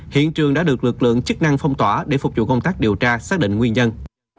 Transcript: hiện trường đã được lực lượng chức năng phong tỏa để phục vụ công tác điều tra xác định nguyên nhân